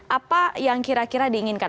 apa yang kira kira diinginkan